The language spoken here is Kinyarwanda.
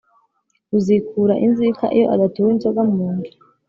Uzikura inzika iyo adatuwe inzoga mu nzu